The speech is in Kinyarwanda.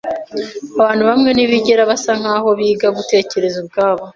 Abantu bamwe ntibigera basa nkaho biga gutekereza ubwabo.